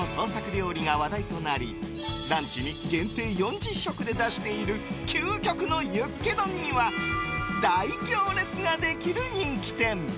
ユッケの創作料理が話題となりランチに限定４０食で出している究極のユッケ丼には大行列ができる人気店。